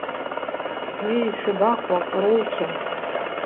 Еи, шәабаҟоу аҟырулцәа?